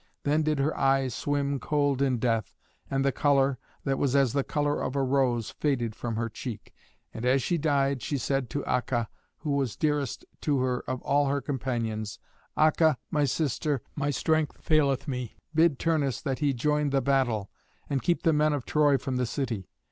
Then did her eyes swim cold in death, and the colour, that was as the colour of a rose, faded from her cheek. And as she died, she said to Acca, who was dearest to her of all her companions, "Acca, my sister, my strength faileth me. Bid Turnus that he join the battle, and keep the men of Troy from the city."